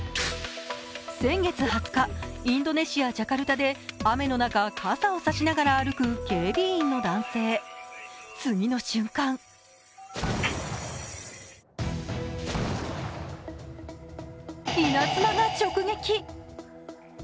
先月２０日、インドネシア・ジャカルタで雨の中、傘を差しながら歩く警備員の男性、次の瞬間稲妻が直撃。